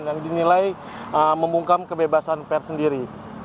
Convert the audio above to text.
yang dinilai membungkam kebebasan pers sendiri